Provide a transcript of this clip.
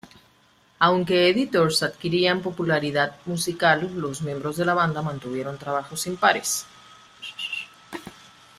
Aunque Editors adquirían popularidad musical, los miembros de la banda mantuvieron trabajos impares.